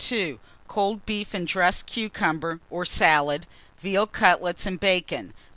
2. Cold beef and dressed cucumber or salad, veal cutlets and bacon.